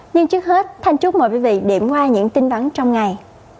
nhưng trước hết thanh chúc mời quý vị điểm qua những tin bắn trong ngày